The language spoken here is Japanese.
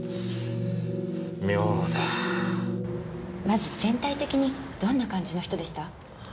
まず全体的にどんな感じの人でした？